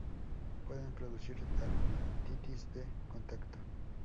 Puede producir dermatitis de contacto.